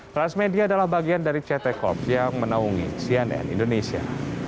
transmedia adalah bagian dari ct corp yang menaungi cnn indonesia